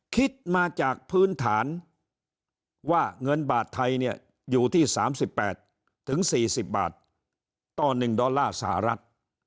คิดมาจากพื้นฐานว่าเงินบาทไทยเนี่ยอยู่ที่๓๘๔๐บาทต่อ๑ดอลลาร์สหรัฐ